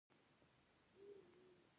زما د پکتیکا د خلکو لهجه ډېره خوښیږي.